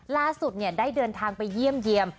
ล่าสุดเนี่ยได้เดินทางไปเยี่ยม